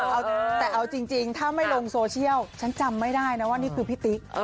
แต่เอาจริงถ้าไม่ลงโซเชียลฉันจำไม่ได้นะว่านี่คือพี่ติ๊ก